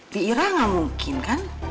di ira nggak mungkin kan